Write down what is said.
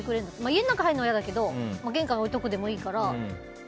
家の中に入るのは嫌だけど玄関に置いておくでもいいから。